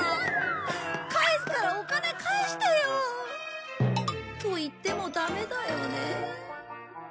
返すからお金返してよ！と言ってもダメだよね。